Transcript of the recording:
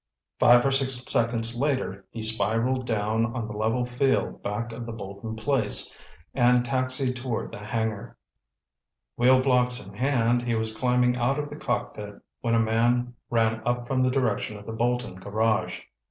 Five or six seconds later he spiralled down on the level field back of the Bolton place, and taxied toward the hangar. Wheelblocks in hand, he was climbing out of the cockpit when a man ran up from the direction of the Bolton garage.